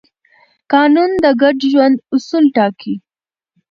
قانون د ګډ ژوند اصول ټاکي.